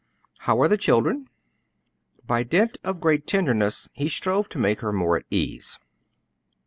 How are the children?" By dint of great tenderness he strove to make her more at ease.